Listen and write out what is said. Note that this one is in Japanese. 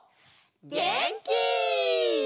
げんき！